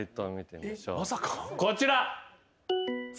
こちら。